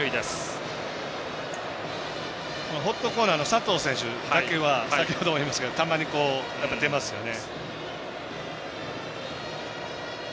ホットコーナーの佐藤選手だけは先ほども言いましたけどたまに出ますよね。